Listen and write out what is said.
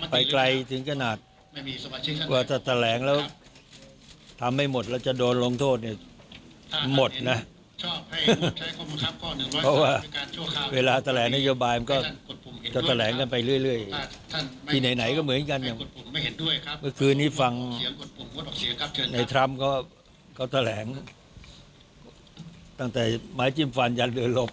ฟังในทรัมป์ก็แถลงตั้งแต่ไม้จิ้มฟันยันเดียวหลบ